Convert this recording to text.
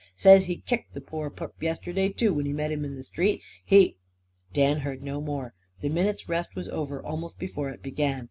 Says he kicked the poor purp yesterday, too, when he met him in the street. He " Dan heard no more. The minute's rest was over almost before it began.